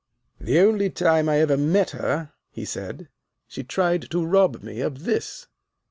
"The only time I ever met her," he said, "she tried to rob me of this."